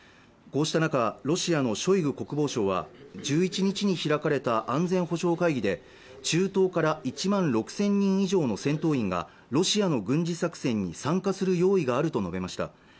こうした中ロシアのショイグ国防相は１１日に開かれた安全保障会議で中東から１万６０００人以上の戦闘員がロシアの軍事作戦に参加する用意があると述べました